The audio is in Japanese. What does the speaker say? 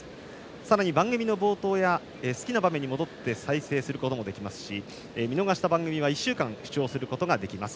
さらに、番組の冒頭や好きな場面に戻って再生することもできますし見逃した番組は１週間視聴することができます。